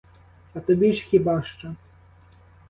А тобі ж хіба що?